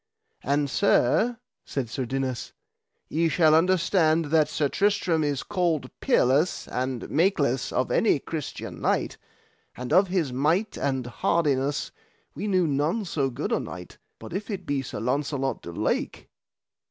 And sir, said Sir Dinas, ye shall understand that Sir Tristram is called peerless and makeless of any Christian knight, and of his might and hardiness we knew none so good a knight, but if it be Sir Launcelot du Lake.